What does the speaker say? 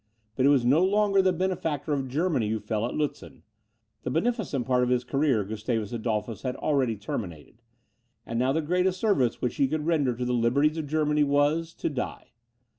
But it was no longer the benefactor of Germany who fell at Lutzen: the beneficent part of his career, Gustavus Adolphus had already terminated; and now the greatest service which he could render to the liberties of Germany was to die.